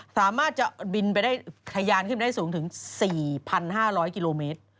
สามารถจะบินไปได้ทะยานขึ้นไปได้สูงถึง๔๕๐๐กิโลเมตร